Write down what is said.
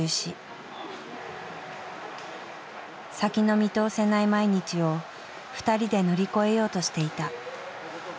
先の見通せない毎日を２人で乗り越えようとしていた。